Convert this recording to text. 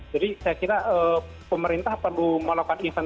jadi saya kira pemerintah perlu melakukan